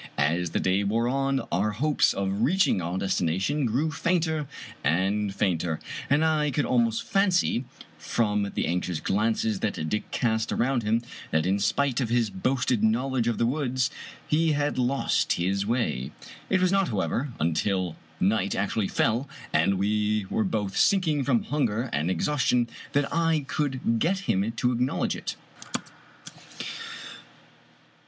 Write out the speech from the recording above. As the day wore on, our hopes of reaching our destination grew fainter and fainter, and I could almost fancy, from the anxious glances that Dick cast around him, that in spite of his boasted knowledge of the woods he had lost his way. It was not, however, until night actually fell, and we were both sinking from hunger and exhaustion, that I could get him to acknowledge it.